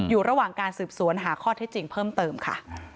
อยู่ระหว่างการสืบสวนหาข้อเท็จจริงเพิ่มเติมค่ะ